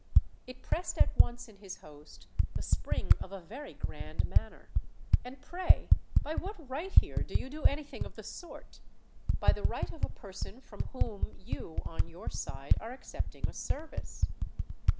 It pressed at once in his host the spring of a very grand manner. "And pray by what right here do you do anything of the sort?" "By the right of a person from whom you, on your side, are accepting a service."